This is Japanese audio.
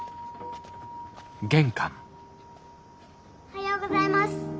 おはようございます。